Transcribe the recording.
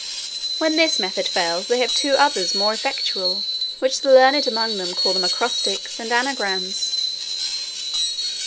"When this method fails, they have two others more effectual, which the learned among them call acrostics and anagrams.